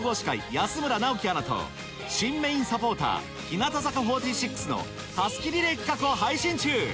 安村直樹アナと新メインサポーター日向坂４６のたすきリレー企画を配信中！